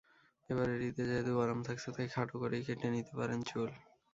এবারের ঈদে যেহেতু গরম থাকছে, তাই খাটো করেই কেটে নিতে পারেন চুল।